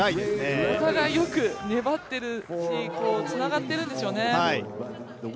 お互い、よく粘っているし、つながっているんでしょうね。